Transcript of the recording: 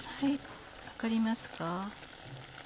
分かりますか？